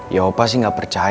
ya opa sih nggak percaya